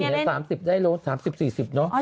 ๓๐กิโลเมตรได้๓๐๔๐กิโลเมตรเนอะ